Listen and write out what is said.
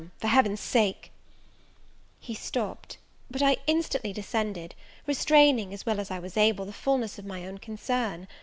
for Heaven's sake " He stopped; but I instantly descended, restraining, as well as I was able, the fulness of my own concern.